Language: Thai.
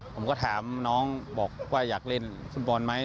ผมก็ถามน้องบอกว่าอยากเล่นฟุตบอลไหม